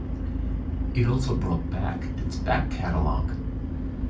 It also brought back its back-catalog.